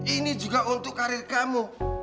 ini juga untuk karir kamu